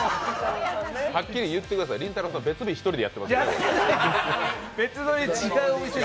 はっきり言ってください、りんたろーさん、別日１人でやってますので。